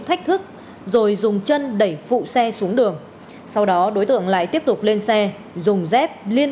thách thức rồi dùng chân đẩy phụ xe xuống đường sau đó đối tượng lại tiếp tục lên xe dùng dép liên